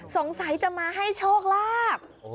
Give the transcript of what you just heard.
สงสัยจะมาให้โชคลาภ